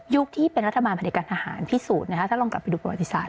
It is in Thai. ที่เป็นรัฐบาลผลิตการทหารพิสูจน์ถ้าลองกลับไปดูประวัติศาส